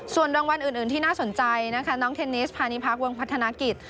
ส่วนรางวัลอื่นที่น่าสนใจนะคะน้องเทนนิสพาณิพักวงพัฒนากิจ